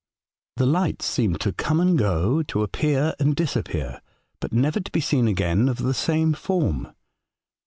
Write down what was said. The lights seemed to come and go, to appear and disappear, but never to be seen again of the same form.